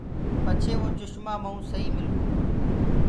پچهي وو چشمآ مڪوُ سئي مِل گو۔